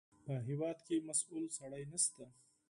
په هېواد کې مسوول سړی نشته.